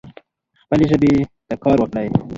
خپلي ژبي ته کار وکړئ.